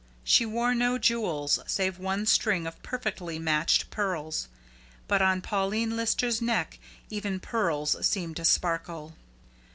She wore no jewels, save one string of perfectly matched pearls; but on Pauline Lister's neck even pearls seemed to sparkle.